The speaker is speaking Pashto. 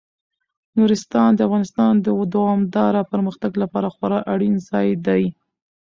نورستان د افغانستان د دوامداره پرمختګ لپاره خورا اړین ځای دی.